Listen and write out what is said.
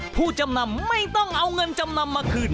ผู้จำนำไม่ต้องเอาเงินจำนำมาคืน